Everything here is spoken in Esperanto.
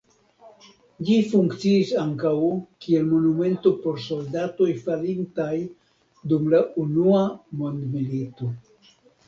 Ĝi funkciis ankaŭ kiel monumento por soldatoj falintaj dum la Unua mondmilito.